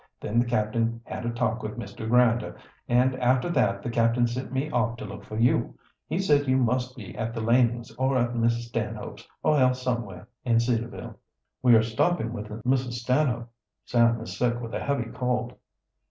Then the captain had a talk with Mr. Grinder, and after that the captain sent me off to look for you. He said you must be at the Lanings, or at Mrs. Stanhope's, or else somewhere in Cedarville." "We are stopping with Mrs. Stanhope. Sam is sick with a heavy cold."